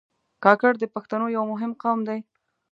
کاکړ د پښتنو یو مهم قوم دی.